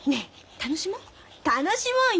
楽しもうよ！